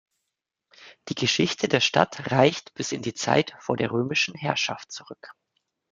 Die Geschichte der Stadt reicht bis in die Zeit vor der römischen Herrschaft zurück.